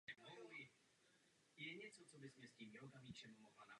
Tvrdá konkurence je svým způsobem vyřazovací soutěž.